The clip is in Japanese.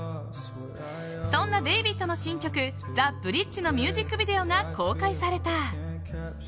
そんなｄ４ｖｄの新曲「ザ・ブリッジ」のミュージックビデオが公開された。